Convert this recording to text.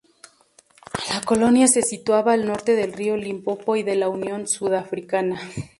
La colonia se situaba al norte del río Limpopo y de la Unión Sudafricana.